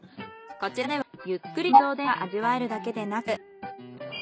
こちらではゆっくりと名物おでんが味わえるだけでなく。